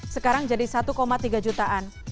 sekarang jadi satu tiga jutaan